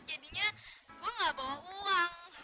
jadinya gue gak bawa uang